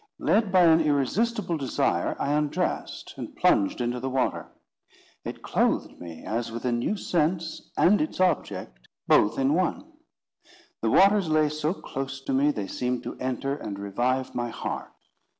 Led by an irresistible desire, I undressed, and plunged into the water. It clothed me as with a new sense and its object both in one. The waters lay so close to me, they seemed to enter and revive my heart.